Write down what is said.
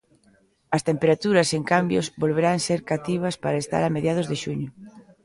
As temperaturas, sen cambios, volverán ser cativas para estar a mediados de xuño.